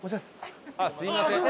すみません。